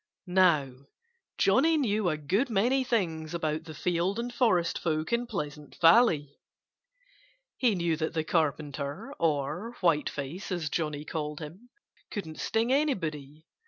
Now, Johnnie knew a good many things about the field and forest folk in Pleasant Valley. He knew that the Carpenter (or Whiteface, as Johnnie called him) couldn't sting anybody.